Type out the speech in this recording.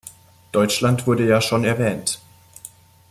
Deutschland wurde ja schon erwähnt.